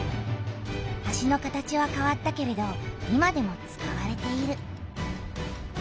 橋の形はかわったけれど今でも使われている。